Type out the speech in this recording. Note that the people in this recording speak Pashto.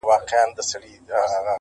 چي راضي مُلا چرګک او خپل پاچا کړي!.